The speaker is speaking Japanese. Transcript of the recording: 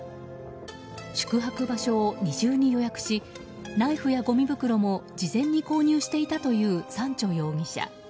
宿泊場所を二重に予約しナイフやごみ袋も事前に購入していたというサンチョ容疑者。